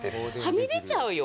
はみ出ちゃうよ。